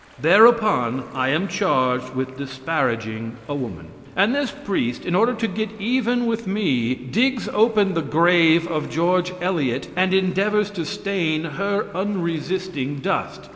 Thereupon I am charged with disparaging a woman. And this priest, in order to get even with me, digs open the grave of "George Eliot" and endeavors to stain her unresisting dust.